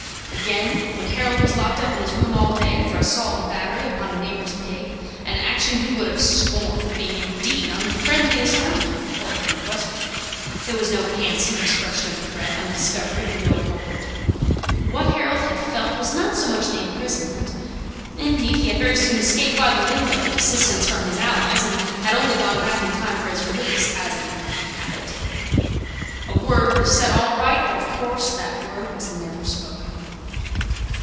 Again, when Harold was locked up in his room all day, for assault and battery upon a neighbour's pig, an action he would have scorned, being indeed on the friendliest terms with the porker in question, there was no handsome expression of regret on the discovery of the real culprit. What Harold had felt was not so much the imprisonment, indeed he had very soon escaped by the window, with assistance from his allies, and had only gone back in time for his release, as the Olympian habit. A word would have set all right; but of course that word was never spoken.